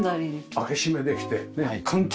開け閉めできて換気。